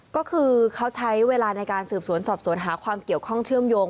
ก็คือเขาใช้เวลาในการสืบสวนสอบสวนหาความเกี่ยวข้องเชื่อมโยง